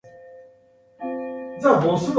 その上不思議な事は眼がない